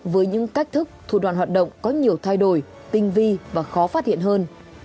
với những cách thức thủ đoàn hoạt động có nhiều thay đổi tinh vi và khó phát hiện hơn